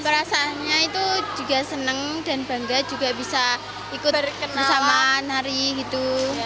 perasaannya itu juga senang dan bangga juga bisa ikut bersama nari gitu